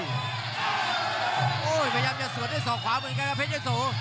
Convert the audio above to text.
โหพยายามจะสวดด้วยศอกขวาเหมือนกันครับเพชรโส